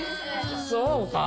そうか。